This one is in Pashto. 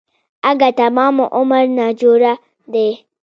اگه تمام عمر ناجوړه دی.